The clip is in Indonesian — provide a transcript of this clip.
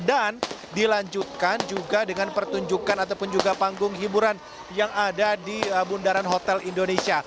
dan dilanjutkan juga dengan pertunjukan ataupun juga panggung hiburan yang ada di bundaran hotel indonesia